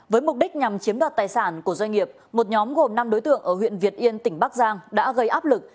với mục đích nhằm chiếm đoạt tài sản của doanh nghiệp một nhóm gồm năm đối tượng ở huyện việt yên tỉnh bắc giang đã gây áp lực